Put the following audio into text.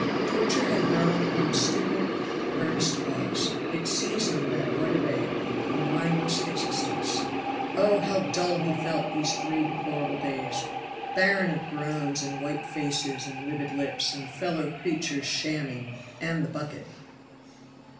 Torture had grown upon stupid, earnest Hawes; it seasoned that white of egg, a mindless existence. Oh! how dull he felt these three deplorable days, barren of groans, and white faces, and livid lips, and fellow creatures shamming,* and the bucket.